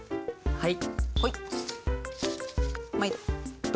はい。